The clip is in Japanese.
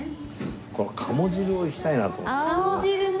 この鴨汁をいきたいなと思ってんだよね。